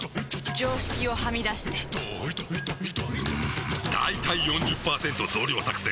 常識をはみ出してんだいたい ４０％ 増量作戦！